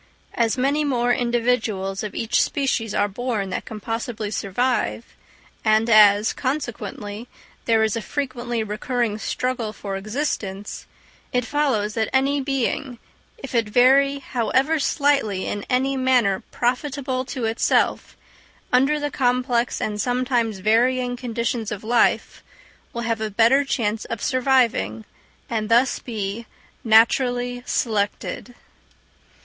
As many more individuals of each species are born than can possibly survive; and as, consequently, there is a frequently recurring struggle for existence, it follows that any being, if it vary however slightly in any manner profitable to itself, under the complex and sometimes varying conditions of life, will have a better chance of surviving, and thus be naturally selected.